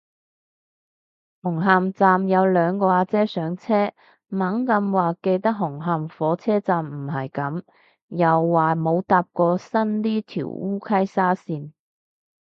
紅磡站有兩個阿姐上車，猛咁話記得紅磡火車站唔係噉，又話冇搭過新呢條烏溪沙綫